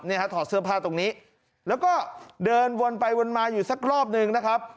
ฮะถอดเสื้อผ้าตรงนี้แล้วก็เดินวนไปวนมาอยู่สักรอบนึงนะครับ